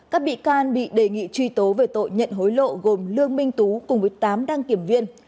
các bị can bị đề nghị truy tố về tội nhận hối lộ gồm lương minh tú cùng với tám đăng kiểm viên